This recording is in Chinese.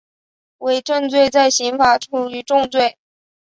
伪证罪在刑法属于重罪。